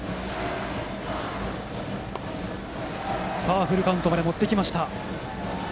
さあ、フルカウントまで持ってきました。